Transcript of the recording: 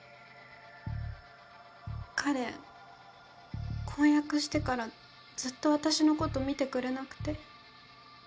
彼婚約してからずっと私のこと見てくれなくて。